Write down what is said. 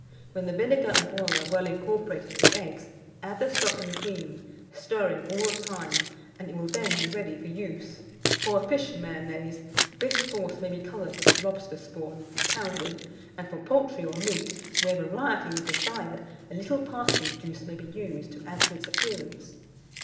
When the vinegar and oil are well incorporated with the eggs, add the stock and cream, stirring all the time, and it will then be ready for use. For a fish Mayonnaise, this sauce may be coloured with lobster spawn, pounded; and for poultry or meat, where variety is desired, a little parsley juice may be used to add to its appearance.